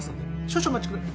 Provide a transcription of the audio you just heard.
少々お待ちくだ。